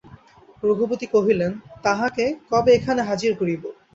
রঘুপতি কহিলেন, তাঁহাকে কবে এখানে হাজির করিব?